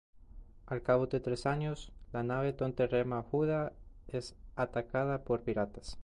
Al cabo de tres años, la nave donde rema Judah es atacada por piratas.